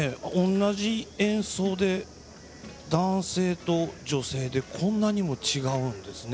同じ演奏で男性と女性でこんなにも違うんですね。